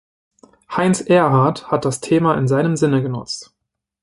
Heinz Erhardt hat das Thema in seinem Sinne genutzt.